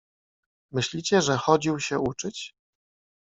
Myślicie, że chodził się uczyć?